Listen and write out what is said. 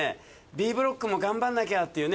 Ｂブロックも頑張んなきゃっていうね。